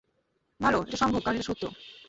ভাল, এটা সম্ভব কারণ এটা সত্য।